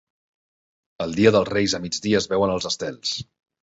El dia dels Reis a migdia es veuen els estels.